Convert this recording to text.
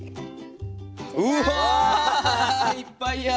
うわいっぱいや！